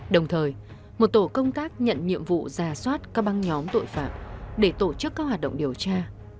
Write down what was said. đồng thời một tổ công tác nhận nhiệm vụ giả soát các băng nhóm tội phạm để tổ chức các hoạt động điều tra